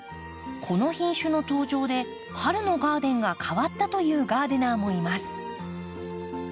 この品種の登場で春のガーデンが変わったというガーデナーもいます。